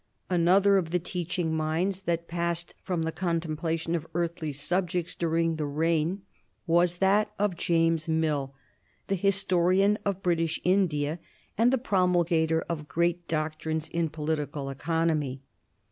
Another of the teaching minds which passed from the contemplation of earthly subjects during the reign was that of James Mill, the historian of British India and the promulgator of great doctrines in political economy.